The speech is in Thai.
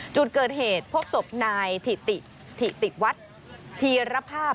จุดเกิดเหตุพบศพนายถิติถิติวัฒน์ธีรภาพ